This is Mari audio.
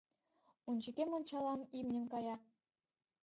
Ончыкем ончалам — имнем кая